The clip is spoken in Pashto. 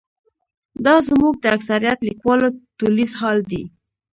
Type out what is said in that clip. دا زموږ د اکثریت لیکوالو ټولیز حال دی.